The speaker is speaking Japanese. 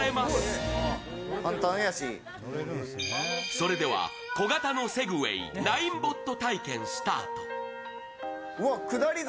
それでは小型のセグウェイ・ナインボット体験スタート。